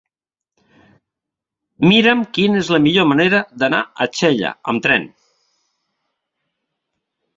Mira'm quina és la millor manera d'anar a Xella amb tren.